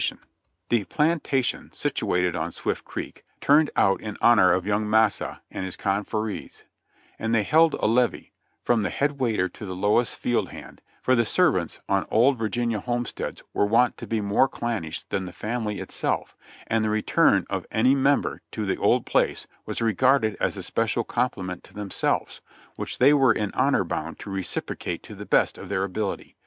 8 114 JOHNNY RKB AND BILIyY YANK The plantation, situated on Swift Creek, turned out in honor of young "Massa" and his confreres, and they held a levee, from the head waiter to the lowest field hand, for the servants on old Virginia homesteads were wont to be more clannish than the fam ily itself, and the return of any member "to the old place" was regarded as a special compliment to themselves, which they were in honor bound to reciprocate to the best of their ability.